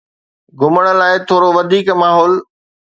گھمڻ لاء ٿورو وڌيڪ ماحول